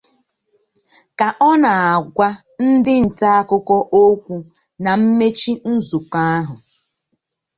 Ka ọ na-agwa ndị nta akụkọ okwu na mmechi nzukọ ahụ